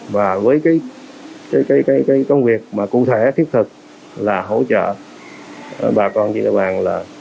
và với công việc cụ thể thiết thực là hỗ trợ bà con chị đeo bàn